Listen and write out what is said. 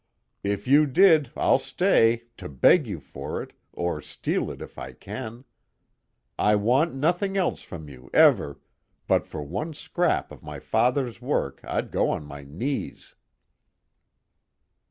If you did I'll stay, to beg you for it or steal it if I can. I want nothing else from you, ever, but for one scrap of my father's work I'd go on my knees."